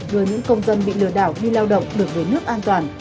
gửi những công dân bị lừa đảo khi lao động được về nước an toàn